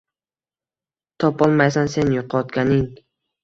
Topolmaysan sen yuqotganing